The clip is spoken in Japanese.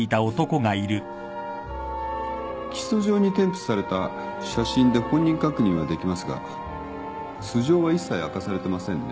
起訴状に添付された写真で本人確認はできますが素性は一切明かされてませんね。